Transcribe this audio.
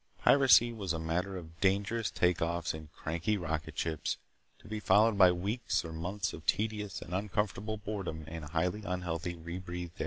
Piracy was a matter of dangerous take offs in cranky rocket ships, to be followed by weeks or months of tedious and uncomfortable boredom in highly unhealthy re breathed air.